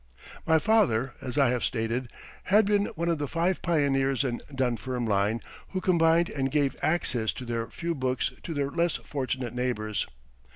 My father, as I have stated, had been one of the five pioneers in Dunfermline who combined and gave access to their few books to their less fortunate neighbors.